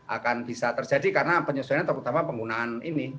akan bisa terjadi karena penyesuaian terutama penggunaan ini